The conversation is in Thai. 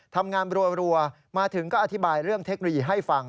ทำงานรัวมาถึงก็อธิบายเรื่องเทคโนโลยีให้ฟัง